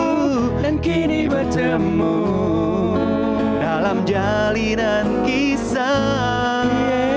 dan kini bertemu dalam jalinan kisah